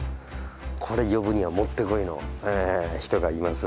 これ呼ぶにはもってこいの人がいますので。